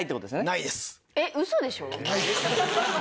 ないです。